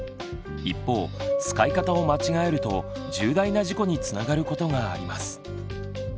一方使い方を間違えると重大な事故につながることがあります。